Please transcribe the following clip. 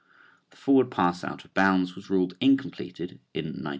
The forward pass out of bounds was ruled incompleted in 1915.